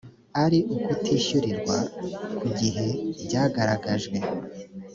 ari ukutishyurirwa ku gihe byagaragajwe